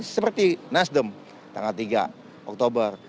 seperti nasdem tanggal tiga oktober